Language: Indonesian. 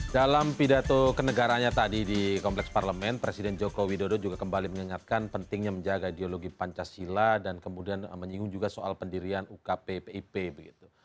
dalam pidato kenegaranya tadi di kompleks parlemen presiden joko widodo juga kembali mengingatkan pentingnya menjaga ideologi pancasila dan kemudian menyinggung juga soal pendirian ukp pip begitu